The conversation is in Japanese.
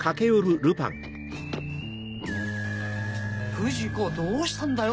不二子どうしたんだよ